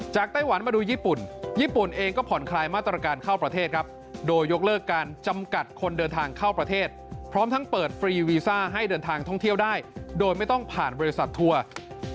ไต้หวันมาดูญี่ปุ่นญี่ปุ่นเองก็ผ่อนคลายมาตรการเข้าประเทศครับโดยยกเลิกการจำกัดคนเดินทางเข้าประเทศพร้อมทั้งเปิดฟรีวีซ่าให้เดินทางท่องเที่ยวได้โดยไม่ต้องผ่านบริษัททัวร์